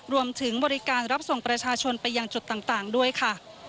รวมถึงบริการรับส่งประชาชนไปยังจุดต่างด้วยค่ะ